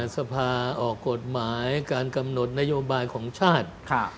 สภาออกกฎหมายการกำหนดนโยบายของชาติ